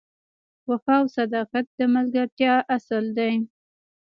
وفا او صداقت د ملګرتیا اصل دی.